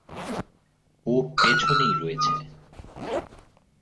ও পেছনেই রয়েছে।